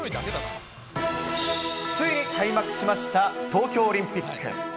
ついに開幕しました東京オリンピック。